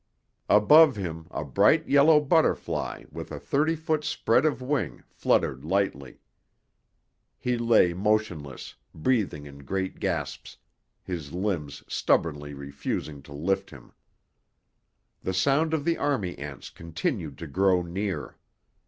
Above him, a bright yellow butterfly with a thirty foot spread of wing, fluttered lightly. He lay motionless, breathing in great gasps, his limbs stubbornly refusing to lift him. The sound of the army ants continued to grow near.